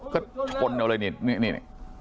ก็ชนเอาเลยนี่นี่นี่